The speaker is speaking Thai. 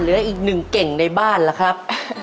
เหลืออีกหนึ่งเก่งในบ้านล่ะครับ